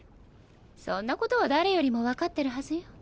そんなことは誰よりも分かってるはずよ。